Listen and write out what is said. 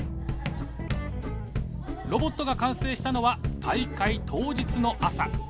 ロボットが完成したのは大会当日の朝。